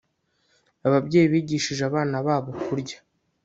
Ababyeyi bigishije abana babo kurya